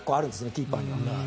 キーパーには。